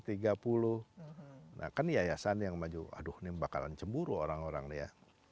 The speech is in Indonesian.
nah kan yayasan yang maju aduh ini bakalan cemburu orang orang ya